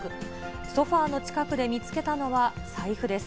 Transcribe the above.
ソファーの近くで見つけたのは財布です。